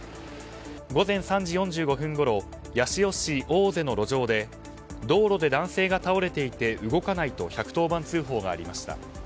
午前３時４５分ごろ八潮市大瀬の路上で道路で男性が倒れていて動かないと１１０番通報がありました。